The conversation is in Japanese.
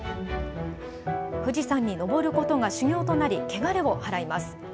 富士山に登ることが修行となり、汚れを払います。